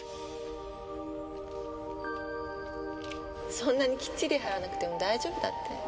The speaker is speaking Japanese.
そんなにきっちり張らなくても大丈夫だって。